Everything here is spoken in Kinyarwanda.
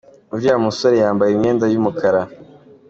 Uriya musore yambaye imyenda yu mukara.